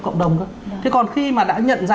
cộng đồng thế còn khi mà đã nhận ra